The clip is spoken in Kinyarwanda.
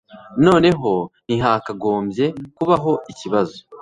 Noneho ntihakagombye kubaho ikibazo